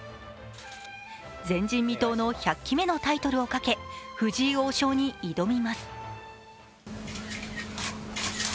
前人未到の１００期目のタイトルをかけ、藤井王将に挑みます。